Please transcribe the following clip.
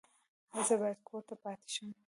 ایا زه باید کور پاتې شم؟